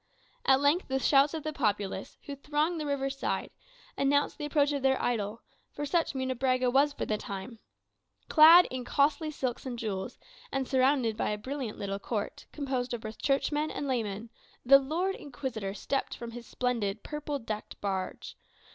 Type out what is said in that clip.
At length the shouts of the populace, who thronged the river's side, announced the approach of their idol; for such Munebrãga was for the time. Clad in costly silks and jewels, and surrounded by a brilliant little court, composed both of churchmen and laymen, the "Lord Inquisitor" stepped from his splendid purple decked barge.